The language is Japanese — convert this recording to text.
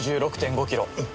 ９６．５キロ。